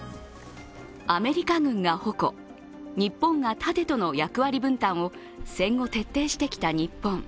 アメリカ軍が矛、日本が盾との役割分担を戦後、徹底してきた日本。